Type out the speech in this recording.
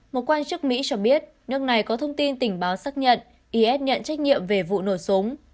một quan chức mỹ cho biết nước này có thông tin tình báo xác nhận is nhận trách nhiệm về vụ nổ súng